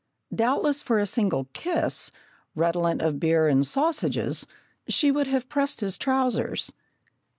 Doubtless for a single kiss, redolent of beer and sausages, she would have pressed his trousers.